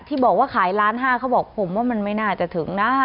ที่บอกว่าขายล้านห้าเขาบอกผมว่ามันไม่น่าจะถึงนะ